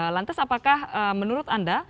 lantas apakah menurut anda